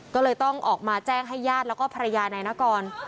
ก็เลยต้องออกมาแจ้งให้ญาติแล้วก็ภรรยานายนกร